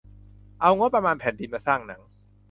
เอางบประมาณแผ่นดิน มาสร้างหนัง